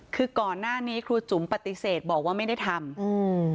คือก่อนหน้านี้ครูจุ๋มปฏิเสธบอกว่าไม่ได้ทำอืม